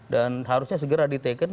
dan harusnya segera di taken